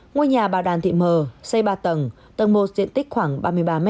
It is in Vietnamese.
ngôi nhà bà đoàn thị m xây ba tầng tầng một diện tích khoảng ba mươi ba m hai